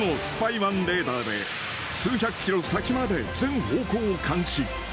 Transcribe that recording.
１レーダーで数百キロ先まで全方向を監視。